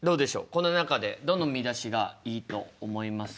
この中でどの見出しがいいと思いますか？